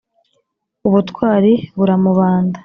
Ubutwari buramubanda,